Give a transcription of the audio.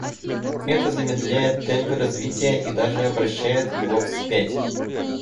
Это замедляет темпы развития и даже обращает его вспять.